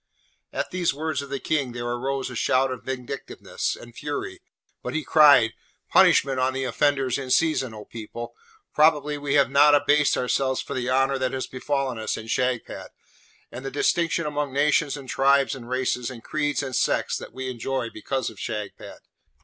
At these words of the King there rose a shout of vindictiveness and fury; but he cried, 'Punishment on the offenders in season, O people! Probably we have not abased ourselves for the honour that has befallen us in Shagpat, and the distinction among nations and tribes and races, and creeds and sects, that we enjoy because of Shagpat.